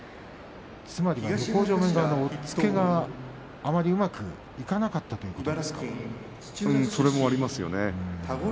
つまり向正面側の押っつけがあまりうまくいかなかったということですか。